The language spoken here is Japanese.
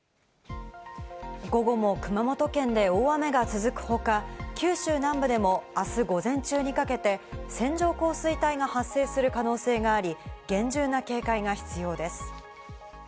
午後も熊本県で大雨が続く他、九州南部でもあす午前中にかけて線状降水帯が発生する可能性があり、厳重な警戒が必要です。